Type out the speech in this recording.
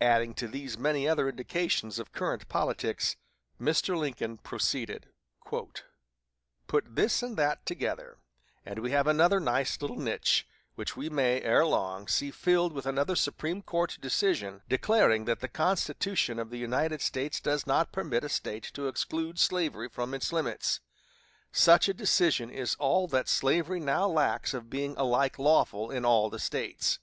Adding to these many other indications of current politics, Mr. Lincoln proceeded: "Put this and that together, and we have another nice little niche, which we may, ere long, see filled with another Supreme Court decision declaring that the Constitution of the United States does not permit a State to exclude slavery from its limits.... Such a decision is all that slavery now lacks of being alike lawful in all the States....